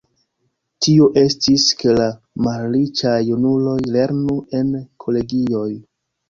Tio estis, ke la malriĉaj junuloj lernu en kolegioj.